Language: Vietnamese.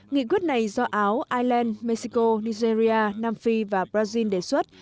nghị quyết này do áo iceland mexico nigeria nam phi và brazil đề xuất